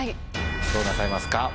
どうなさいますか？